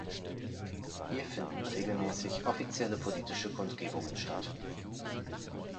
Hier finden regelmäßig offizielle politische Kundgebungen statt.